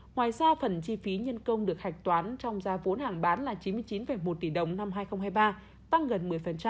ngoài ra phần chi phí nhân công được hạch toán trong gia vốn hàng bán là chín mươi chín một tỷ đồng năm hai nghìn hai mươi ba tăng gần một mươi